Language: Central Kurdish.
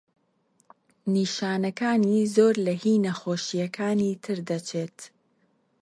نیشانەکانی زۆر لە هی نەخۆشییەکانی تر دەچێت.